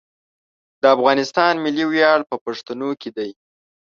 د افغانستان ملي ویاړ په پښتنو کې دی.